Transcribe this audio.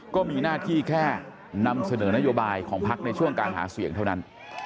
ก็มีหน้าที่แค่นำเสนอนโยบายของพักในช่วงการหาเสียงเท่านั้น